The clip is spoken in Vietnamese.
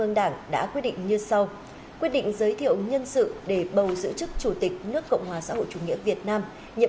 ubthqh một mươi năm quyết định triệu tập kỳ họp bất thường lần thứ tư quốc hội chủ nghĩa việt nam